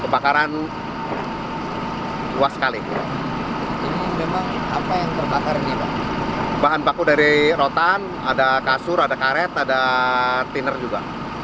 bahan baku dari rotan ada kasur ada karet ada thinner juga